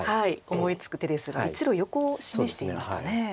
思いつく手ですが１路横を示していましたね。